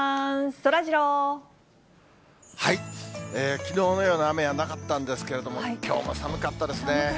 きのうのような雨はなかったんですけれども、きょうも寒かったですね。